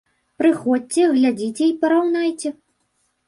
Прыходзьце, глядзіце й параўнайце!